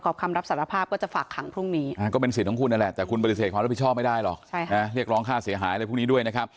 ก็อย่างงั้นหนูก็ไม่น่าเลยมันก็บอกว่าหนูก็อารมณ์ชั่วพูด